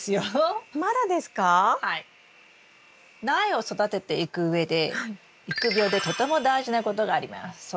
苗を育てていくうえで育苗でとても大事なことがあります。